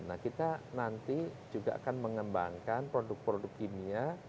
nah kita nanti juga akan mengembangkan produk produk kimia